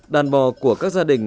đàn bò của các gia đình